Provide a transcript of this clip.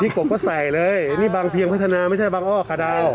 กบก็ใส่เลยนี่บางเพียงพัฒนาไม่ใช่บางอ้อคาดาว